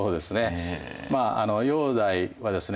まあ煬帝はですね